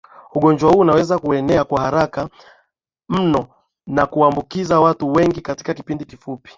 Ugonjwa huu unaweza kuenea kwa haraka mno na kuambukiza watu wengi katika kipindi kifupi